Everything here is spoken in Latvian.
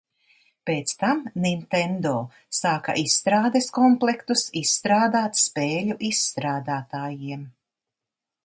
Pēc tam Nintendo sāka izstrādes komplektus izstrādāt spēļu izstrādātājiem.